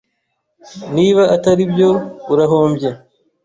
Niba atari ibyo urahombye